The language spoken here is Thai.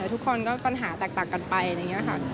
ทุกคนก็ปัญหาแตกกันไปอย่างนี้ค่ะ